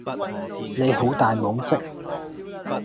你好大懵即